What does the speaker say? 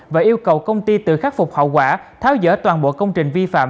và yêu cầu công ty tự khắc phục hậu quả tháo dỡ toàn bộ công trình vi phạm